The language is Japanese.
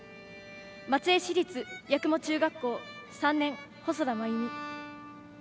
松江市立八雲中学校３年細田真祐珠。